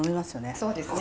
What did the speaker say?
そうですね。